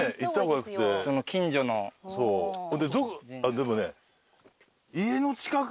でもね。